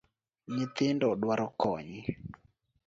Nyathino dwaro kony